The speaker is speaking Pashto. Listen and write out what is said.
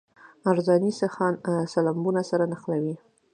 عرضاني سیخان سلبونه سره نښلوي